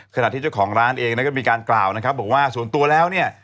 ขณะที่เจ้าของร้านเองนั้นก็มีการกล่าวนะครับบอกว่าส่วนตัวแล้วเนี่ย